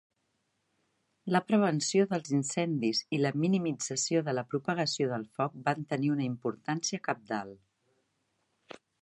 La prevenció dels incendis i la minimització de la propagació del foc van tenir una importància cabdal.